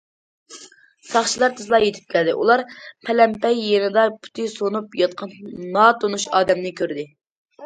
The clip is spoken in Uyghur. ساقچىلار تېزلا يىتىپ كەلدى، ئۇلار پەلەمپەي يېنىدا پۇتى سۇنۇپ ياتقان ناتونۇش ئادەمنى كۆردى.